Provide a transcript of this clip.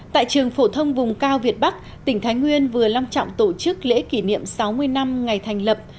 tại trường phổ thông vùng cao việt bắc tỉnh thái nguyên vừa long trọng tổ chức lễ kỷ niệm sáu mươi năm ngày thành lập